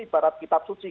ibarat kitab suci